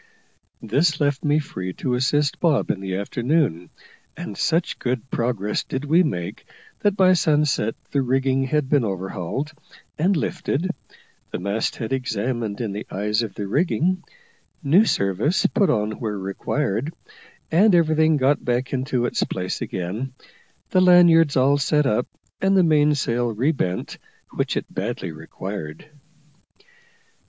This left me free to assist Bob in the afternoon, and such good progress did we make that by sunset the rigging had been overhauled and lifted, the mast head examined in the eyes of the rigging, new service put on where required, and everything got back into its place again, the lanyards all set up, and the mainsail re bent, which it badly required.